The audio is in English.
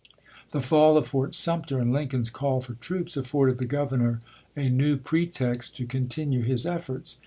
The fall of Fort Sumter and Lincoln's call for troops afforded the Governor a new pretext to con tinue his efforts.